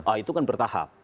oh itu kan bertahap